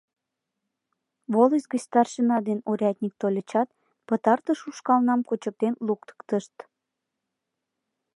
Волость гыч старшина ден урядник тольычат, пытартыш ушкалнам кучыктен луктыктышт.